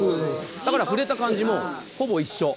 だから、触れた感じもほぼ一緒。